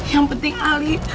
yang penting alih